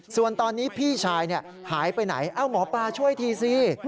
ส่วนตอนนี้พี่ชายหายไปไหนเอ้าหมอปลาช่วยทีสิ